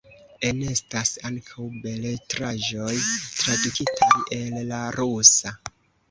Enestas ankaŭ beletraĵoj tradukitaj el la rusa.